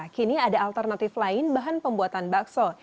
kini ada alternatif lain bahan pembuatan bakso